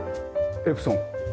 エプソン。